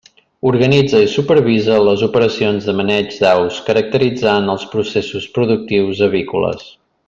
Organitza i supervisa les operacions de maneig d'aus, caracteritzant els processos productius avícoles.